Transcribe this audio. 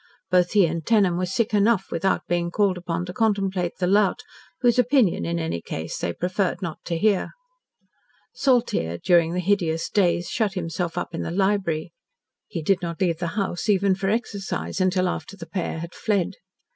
Both he and Tenham were sick enough, without being called upon to contemplate "The Lout," whose opinion, in any case, they preferred not to hear. Saltyre, during the hideous days, shut himself up in the library. He did not leave the house, even for exercise, until after the pair had fled.